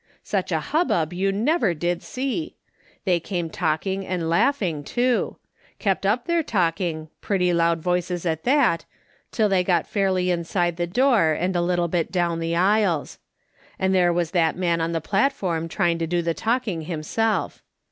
Such a hubbub you never did see. They came talking and laughing, too ; kept up their talking — pretty loud voices at that — till they got fairly inside the door, and a little bit down the aisles. And there was that man ou the platform trying to do the talking himself.